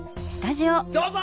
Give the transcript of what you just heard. どうぞ！